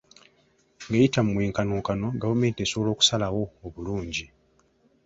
Ng'eyita mu mwenkanonkano, gavumenti esobola okusalawo obulungi.